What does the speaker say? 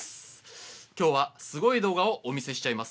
今日はすごい動画をお見せしちゃいます。